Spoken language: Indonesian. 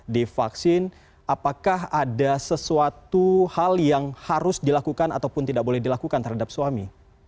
di vaksin apakah ada sesuatu hal yang harus dilakukan ataupun tidak boleh dilakukan terhadap suami